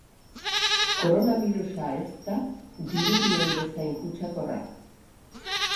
Koronabirusa ez da dirudien bezain kutsakorra.